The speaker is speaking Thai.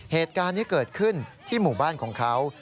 เหตุการณ์นี้เกิดขึ้นที่หมู่บ้านของเขา